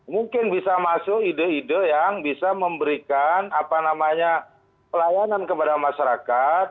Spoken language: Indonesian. mungkin bisa masuk ide ide yang bisa memberikan pelayanan kepada masyarakat